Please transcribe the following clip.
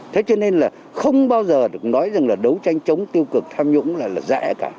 thế cho nên là không bao giờ được nói rằng là đấu tranh chống tiêu cực tham nhũng là rẻ cả